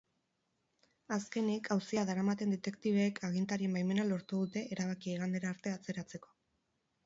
Azkenik, auzia daramaten detektibeek agintarien baimena lortu dute erabakia igandera arte atzeratzeko.